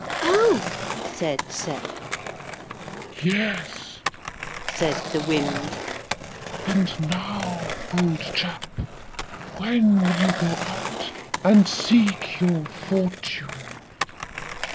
'Oh,' said Sep. 'Yes,' said the wind, 'and now, old chap, when will you go out and seek your fortune?